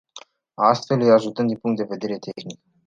Astfel, îi ajutăm din punct de vedere tehnic.